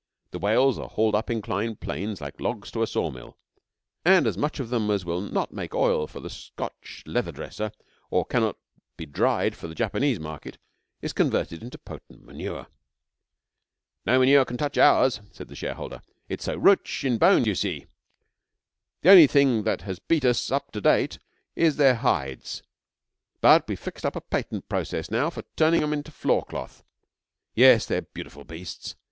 The whales are hauled up inclined planes like logs to a sawmill, and as much of them as will not make oil for the Scotch leather dresser, or cannot be dried for the Japanese market, is converted into potent manure. 'No manure can touch ours,' said the shareholder. 'It's so rich in bone, d'you see. The only thing that has beat us up to date is their hides; but we've fixed up a patent process now for turning 'em into floorcloth. Yes, they're beautiful beasts.